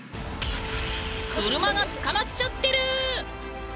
車が捕まっちゃってる！